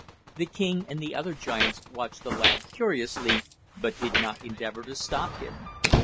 The king and the other giants watched the lad curiously, but did not endeavor to stop him.